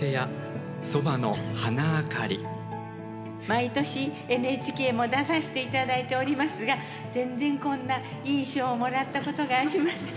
毎年ＮＨＫも出させて頂いておりますが全然こんないい賞をもらったことがありません。